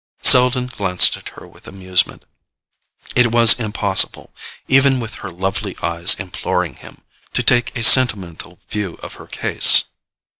Selden glanced at her with amusement: it was impossible, even with her lovely eyes imploring him, to take a sentimental view of her case.